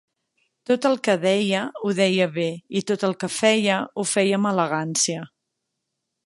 Tot el que deia, ho deia bé; i tot el que feia, ho feia amb elegància.